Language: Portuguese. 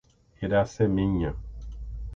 Iraceminha